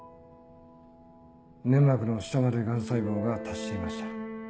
粘膜の下まで癌細胞が達していました。